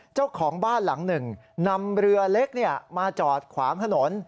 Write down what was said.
เจ้าของบ้านหลังหนึ่งนำเรือเล็กมาจอดขวางถนน